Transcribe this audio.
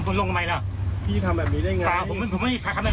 เปล่าผมไม่ได้ทำแบบน้องเขานะ